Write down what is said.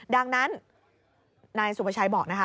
ดังนั้นนายสุภาชัยบอกนะคะ